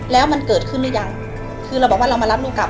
แล้วมันเกิดขึ้นหรือยังคือเราบอกว่าเรามารับลูกกลับ